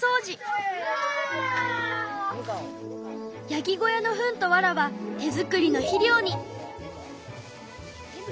ヤギ小屋のフンとワラは手作りの肥料に。